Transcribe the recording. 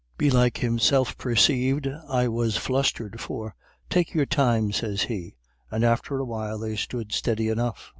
Belike himself persaived I was flusthered, for, 'Take your time,' sez he; and after a while they stood steady enough.